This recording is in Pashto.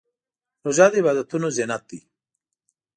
روژه د عبادتونو زینت دی.